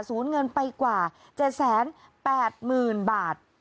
ศูนย์เงินไปกว่า๗๘๐๐๐๐บาท